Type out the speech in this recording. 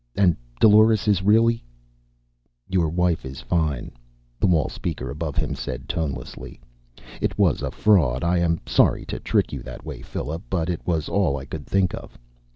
"And Dolores is really " "Your wife is fine," the wall speaker above him said tonelessly. "It was a fraud. I am sorry to trick you that way, Philip, but it was all I could think of.